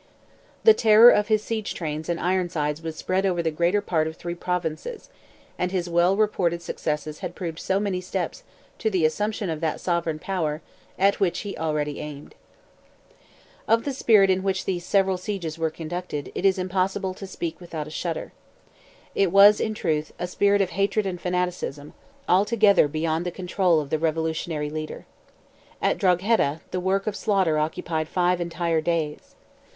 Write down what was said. The terror of his siege trains and Ironsides was spread over the greater part of three Provinces, and his well reported successes had proved so many steps to the assumption of that sovereign power at which he already aimed. Of the spirit in which these several sieges were conducted, it is impossible to speak without a shudder. It was, in truth, a spirit of hatred and fanaticism, altogether beyond the control of the revolutionary leader. At Drogheda, the work of slaughter occupied five entire days.